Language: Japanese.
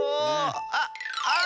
あっあっ！